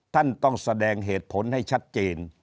ท่านต้องแสดงเหตุผลให้ชัดเจน